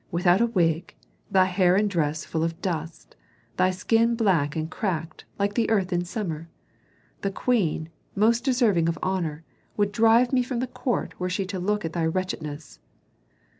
Without a wig, thy hair and dress full of dust, thy skin black and cracked, like the earth in summer. The queen, most deserving of honor, would drive me from the court were she to look at thy wretchedness."